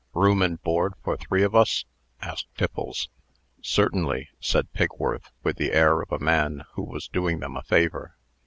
"Room and board for three of us?" asked Tiffles. "Certainly," said Pigworth, with the air of a man who was doing them a favor.